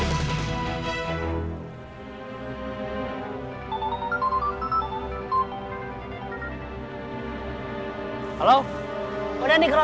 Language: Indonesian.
niantong engkau mengk altomotif diisen kan